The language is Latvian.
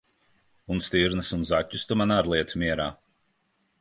Un stirnas un zaķus tu man ar liec mierā!